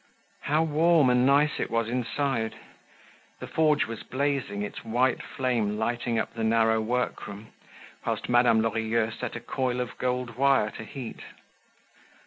How warm and nice it was inside. The forge was blazing, its white flame lighting up the narrow workroom, whilst Madame Lorilleux set a coil of gold wire to heat.